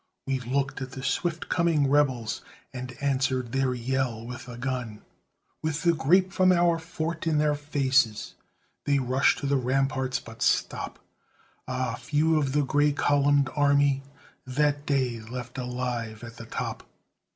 We looked at the swift coming rebels, And answered their yell with a gun. With the grape from our fort in their faces, They rush to the ramparts, but stop; Ah! few of the gray columned army That day left alive at the top.